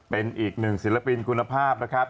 เป็นอีกหนึ่งศิลปินคุณภาพนะครับ